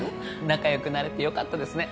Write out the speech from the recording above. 仲良くなれてよかったですね。